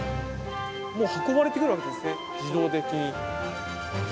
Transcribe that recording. もう運ばれてくるわけですね、自動的に。